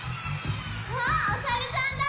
そうおさるさんだ！